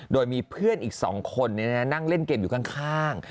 โดยมีเพื่อนอีก๒คนนั่งเล่นเกมอยู่ข้าง